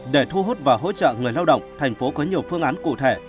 để thu hút và hỗ trợ người lao động thành phố có nhiều phương án cụ thể